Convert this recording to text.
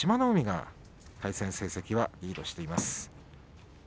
海が対戦成績はリードしています。